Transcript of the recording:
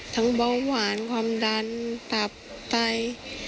ทั้งเบาหวานความดันตาบใต้